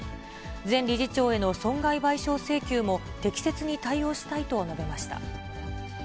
前理事長への損害賠償請求も適切に対応したいと述べました。